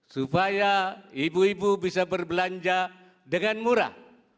supaya ibu ibu bisa berbelanja dengan murah